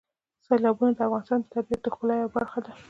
سیلابونه د افغانستان د طبیعت د ښکلا یوه برخه ده.